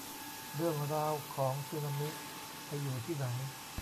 เรื่องราวของสึนามิไปอยู่ที่ไหน